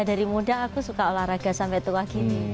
dari muda aku suka olahraga sampai tua gini